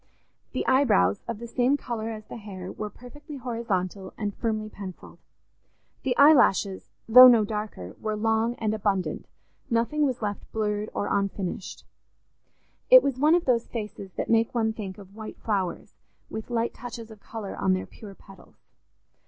The eyebrows, of the same colour as the hair, were perfectly horizontal and firmly pencilled; the eyelashes, though no darker, were long and abundant—nothing was left blurred or unfinished. It was one of those faces that make one think of white flowers with light touches of colour on their pure petals.